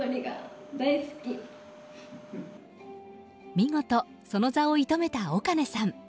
見事、その座を射止めた岡根さん。